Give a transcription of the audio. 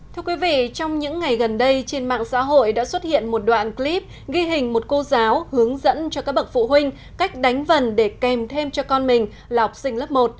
thưa quý vị trong những ngày gần đây trên mạng xã hội đã xuất hiện một đoạn clip ghi hình một cô giáo hướng dẫn cho các bậc phụ huynh cách đánh vần để kèm thêm cho con mình là học sinh lớp một